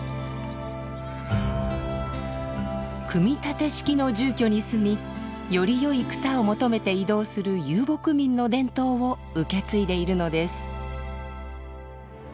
組み立て式の住居に住みよりよい草を求めて移動する遊牧民の伝統を受け継いでいるのです。